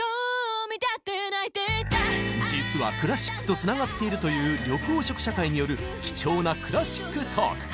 実はクラシックとつながっているという緑黄色社会による貴重なクラシックトーク！